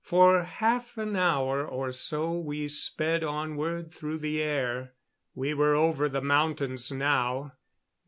For half an hour or so we sped onward through the air. We were over the mountains now.